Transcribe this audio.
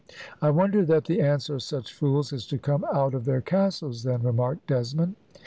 "I wonder that the ants are such fools as to come out of their castles, then," remarked Desmond.